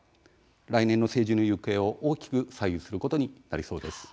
来年の政治の行方を、大きく左右することになりそうです。